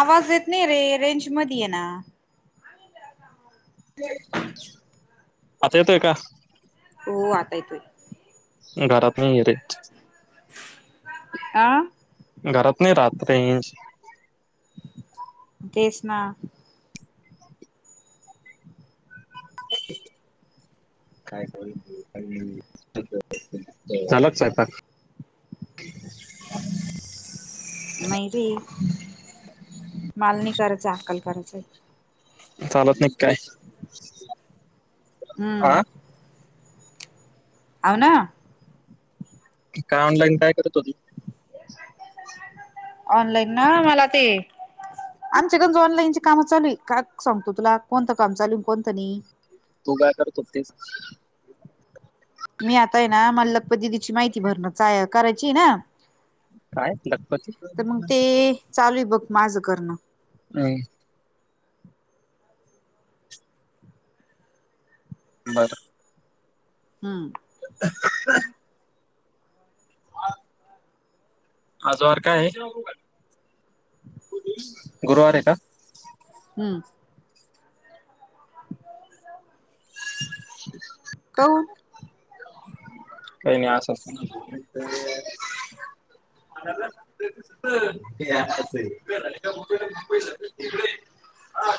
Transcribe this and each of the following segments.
आवाज येत नाही रे रेंज मध्ये ये ना. आता येतोय का? हो आता येतोय घरात नाही आहे रे आ घरात नाही राहत र इंच तेसना [inaudible] काय झाला का स्वयंपाक? नाही रे मला नाही करायच अक्कल करायच आहे. चालत नाही काय? हा हम्म आऊ ना. काय ऑनलाईन काय करत होती? ऑनलाईन ना मला ते आमच्याकड ऑनलाईनची काम चालू का. सांगतो तुला कोणतं काम चालून कोणतं नाही. तू काय करत होतीस? मी आताय ना मला लखपत दिदीची माहिती भरण करायची ना. काय लखपती तर मग ते चालूय बघ माझं करणं. नाही बरं हम्म आज वार काय आहे? गुरुवार आहे का? हम्म हम्म काऊ. काही नाही असच. हा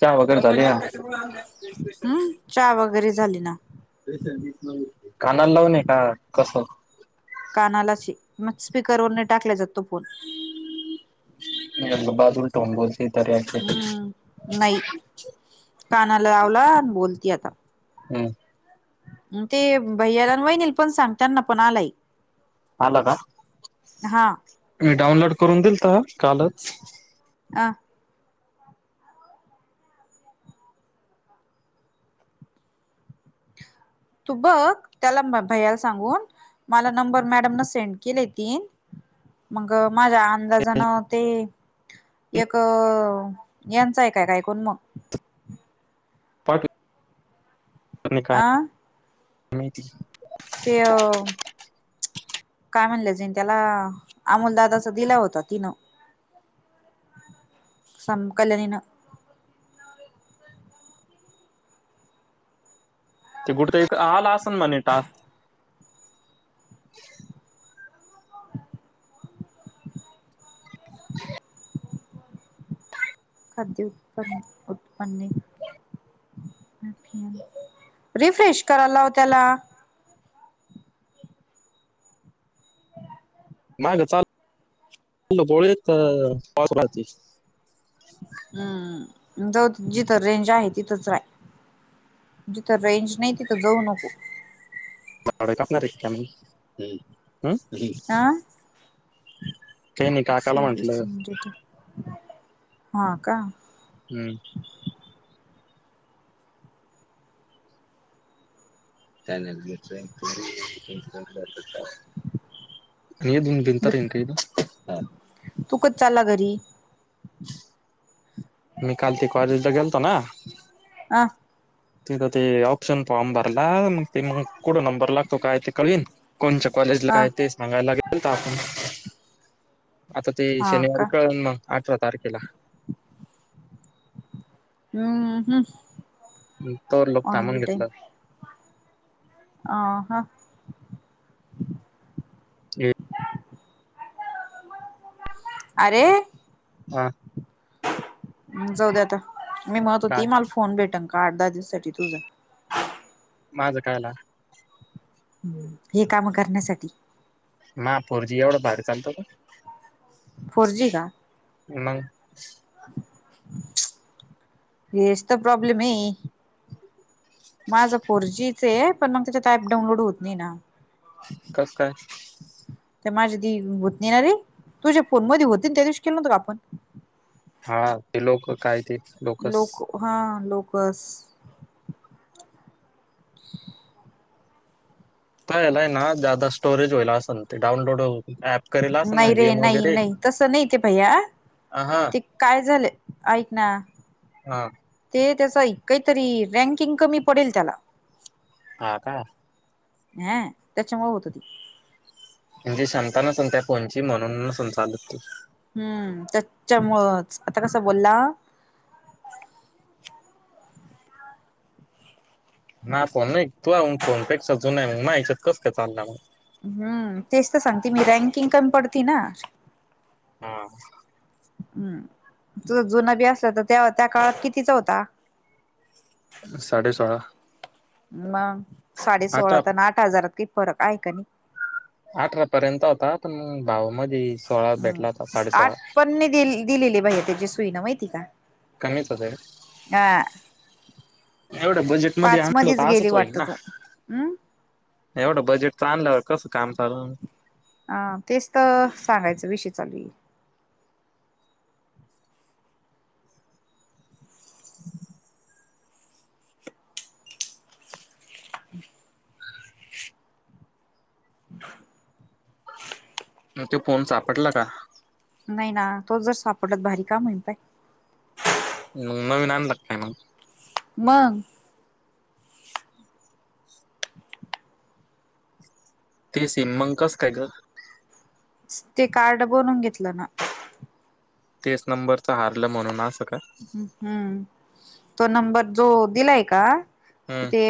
चहा वगैरे झाल्या. हम्म चहा वगैरे झाली ना. कानाला लाव न का कसं. कानाला म स्पीकर वर नाही टाकला जातातो फोन. म्हटलं बाजूला ठेवून बोलते. तेतर हम्म नाही कानाला लावला आणि बोलती आता. हम्म भैय्याला आणि वहिनीला पण सांग त्यांना पण आलंय. आला का? हां मी डाऊनलोड करून दिल तर कालच. ह तू बघ त्याला भैयाला सांगून. मला नंबर मॅडम न सेंड केले ते. मग माझ्या अंदाजानं ते एक यांचं एक काय का ऐकून मग आणि हां नाही त ते काय म्हणले जे त्याला अमोलदादाच दिला होता तिनं. संम कल्याननं. ते बुडत आला असन म्हणे टास् खाद्य उत्पन् उत्पन्न अ रिफ्रेश कराय लाव त्याला नाही ग चाल गोळी पाह हम्म जा जिथं रेंज आहे तिथंच राय जिथं रेंज नाही तिथं जाऊ नको काणार हम् हा काही नाही काकाला म्हटलं सर्विसिंग डेटा हा का हम्म ल न दून भनतार इन का तू कच चालला घरी मीिकलते कॉज गलतो ना ह तिथं ते ऑप्शन फॉर्म भरला मग ते मग कठं नंबर लागतो काय ते कळवीन कोणच्या कॉलेजला अ काय ते सांगायला लागेल तर आपण आता ते हा का शनिवारी कळून मग अठरा तारखेला हम्म हम् तर लोक थांबून ऑनली घेतलं आ हा अरे हा जाऊ द्या आता मी मत काय होती मला फोन भेटन का दासाठीठी तुझ माझं कायला ह् हे काम करण्यासाठी म फोरजी एवढं बाहेर चालतो का फोरजी का मग येचत प्रॉब्लेम माझं फोर जीच आहे पण मग त्याच्यात ऍप डाउनलोड होत नाही ना का का ते माझ्या होत नणार रे तुझ्या फोन मध्ये होतील त्या दिवशी केलं नत का आपण हा ते लोक काय ते लोकच लोक हा लोकस कायलाय ना ज्यादा स्टोरेज वईला असं ते डउनलोड हो ऍप करेला नाही रे नाही नाही तसं नाही ते भैया अ हा ते काय झालं ऐक ना हा ते त्याच काहीतरी रँकिंग कमी पडेल त्याला हा का हा त्याच्यामुळे होत ती म्हणजे शांत नसेल त्या फोनची म्हणूंन नसेल चालत ती हम्म त्याच्यामुळंच आता कसा बोलला. [unintelligible] हम्म तेच तर सांगते मी रँकिंग कमी पडती ना हा हम् तुझं जुन बी असलं तर त्या त्या काळात कितीचा होता साडे सोळा मग साडे अठरा सोळाात आणि आठ हजारात काही फरक आहे का नाही अठरा पर्यंत होता पण गावा मधी. हम् आठ पणणे दि दिलेली भाैया त्याची सुई ना माहिती का. कामी ते हा एवढं बजेट मध्ये पाच आणलं मध्येच तर गेली असच होईल वाटत ना तू हम् एवढं बजेट आणल्यावर कसं काम चालल. अ तेच सांगायचा विषय चालय. [inaudible] [inaudible] ह् [inaudible] मग तो फोन सापडला का. नाही ना तो जर सापडत भारी काम होईल बाई. मग नवीन आणला की काय मग [inaudible] मग. ते सिम मंग कसं काय ग ते कार्ड बनून घेतलं ना. तेच नंबरच हारलं म्हणून असं का. हम्म तो नंबर जो दिलाय का. हम्म ते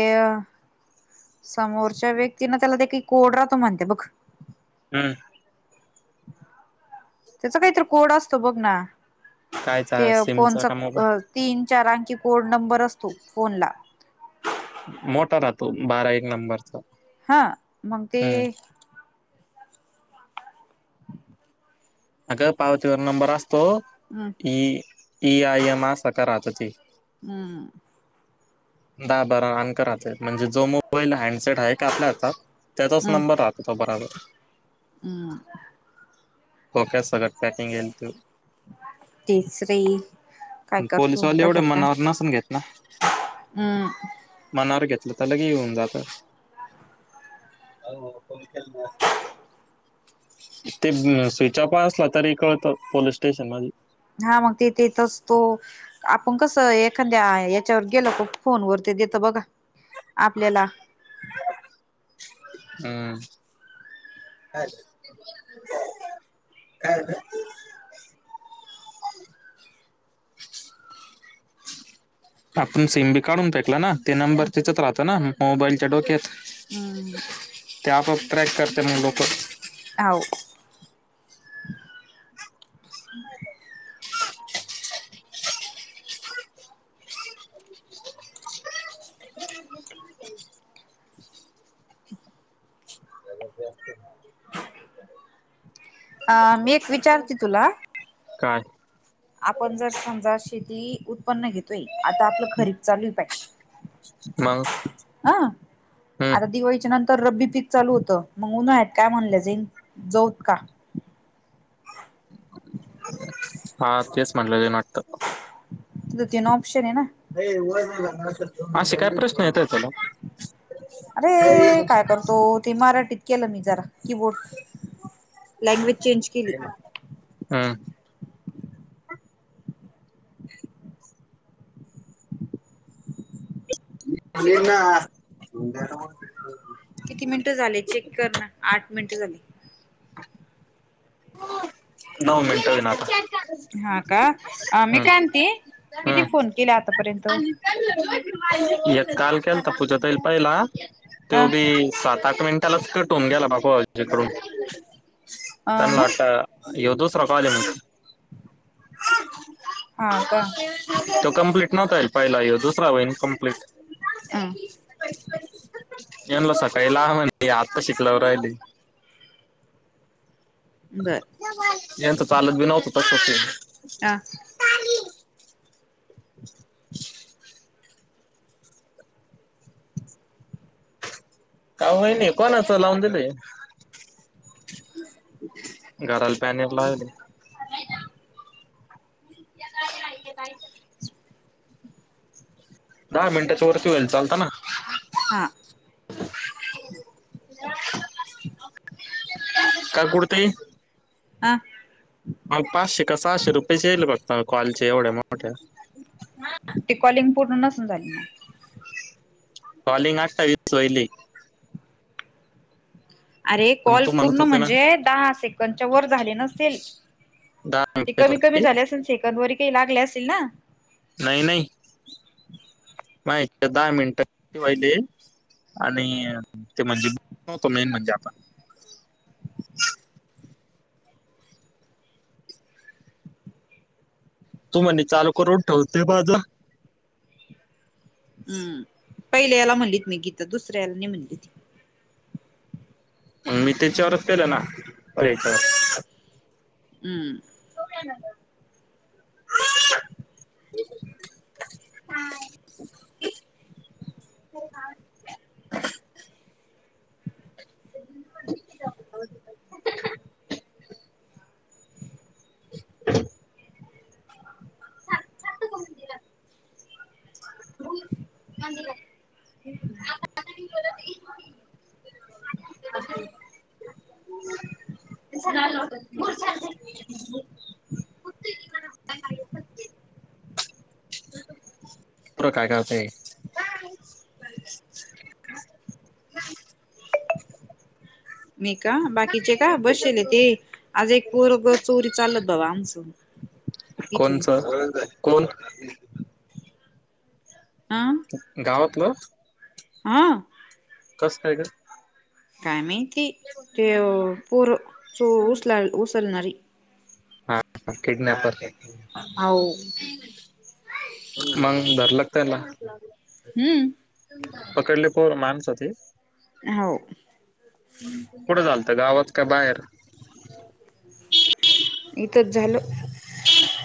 समोरच्या व्यक्तीने त्याला ते काही कोड राहतो म्हणते बघ हम्म. त्याचा काहीतरी कोड असतो बघ ना. ते कायचा सिमचा फोनचा का मोबाईल अ तीन चार अंकी कोड नंबर असतो फोनला. मोठा राहतो बारा एक नंबरचा. हा मग ते हम्म अगं पावतीवर नंबर असतो हम्म इ इ आय एम असका राहतो ते. हम्म. दहा बारा अंक राहत्यात म्हणजे जो मोबाईल हँडसेट आहे का आपल्याचा त्याचाच हम्म नंबर राहतो. राहत बराबर. हम्म. खोक्यात सगळ पॅकिंग येलत. तिसरे काय पोलिसवाले करतोट एवढे खेलता मनावर नसून घेत ना [unintelligible] हम्म. मनावर घेतलं तर लगे येऊन जात. [unintelligible] ते स्विच ऑफ असलं तरी कळतो पोलीस स्टेशन मध्ये. हा मग ते ते तेथेच असंतो. आपण कसं एखाद्या याच्यावर गेलो फोन वर ते देत बघा आपल्याला हम्म. काय झालं काय झालं. आपण सिम बी काढून पेकला ना ते नंबर तिच्यात राहत ना मोबाईलच्या डोक्यात. हम्म. त्या आप ट्रॅक करते ना लोक हो. [inaudible] मी एक विचारते तुला [inaudible] काय. आपण जर समजा शेती उत्पन्न घेतोय आता आपलं खरीप चालू पाहिजे मग? अ हम्म आता दिवाळीच्या नंतर रब्बी पिक चाल होतं मग उन्हाळ्यात काय म्हणल्या जे जाऊत का. हा तेच म्हटलं ना वाटतं. तिथं तेन ऑपशन आहे ना. असे काय प्रश्न येतायत [unintelligible] अरे काय करतो ते मराठीत केलं मी जरा. कीबोर्ड लँग्वेज चेंज केली हम्म. [inaudible] [inaudible] किती मिनिटं झाले चेक कर ना? आठ मिनिटं झाले. नऊ मिनटं होईन आता. हा का? अ मी हम्म. काय म्हणती किती फोन केले आतापर्यंत? अ य काल केलता पूजा ताई येईल पहिला. तो बी सात आठ मिनटालाच कट हून गेला बुवा जेकडून अ त्यांला ह वाटतं यो दुसरा कॉल हाय म्हण [inaudible] हा का? तो कम्प्लीट नव्हता येईल पहिला दुसरा होईल कम्प्लीट. अ यांला सकाळी लाव म्हण आत्ताशिक लावू राहिले. बरं. यांची चालत बी नव्हतं तसंच आहे. हा. [inaudible] का होई नाही कोणाचं लावून दिले? घराला पॅनर लावले [inaudible] दहा मिनटाच्या वरती होईल चालत ना? हा. काल कुडती? हा. मला पाचशे का सहाशे रुपयेच येल बघ मला कॉलचे एवढ्या मोठ्या. ती कॉलिंग पूर्ण नसण झाली मग. कॉलिंग आठवीस वाहिलय. अरे पण कॉल तू म्हणत पूर्ण होते ना म्हणजे दहा सेकंडच्या वर झाले नसतील. दहा ते मिनिटाच्या कमी कमी वरती झाले असेल सेकंद वर काही लागले असेल ना? नाही नाही. माझ्या दहा मिनटं वाहिले आणि ते म्हणजे मेन म्हणजे आपण तू म्हणे चालू करून ठेवते माझा. हम्म. पहिल्या याला म्हणलीत मी गीता दुसऱ्या याला नाही म्हणली ती. मग मी त्याच्यावरच केलं ना पहिल्याच्यावर हम्म. [inaudible] [inaudible] [inaudible] [inaudible] सारखं सारखं [inaudible] [inaudible] [inaudible] [inaudible] पोर काय करतय? मी का बाकीचे का बसेले ते. आज एक पोरग चोरी चालत बा आमचं. इथून कोणचं कोण? हा गावातलं हा. कस काय ग? काय माहिती ते पोर चो उचल उचलणारी हा किडनॅपर [inaudible] हो मग धरला का तयला हम्म पकडले काव पोर मानसती हो कुठे चालतं गावात का बाहेर इथच झालं ह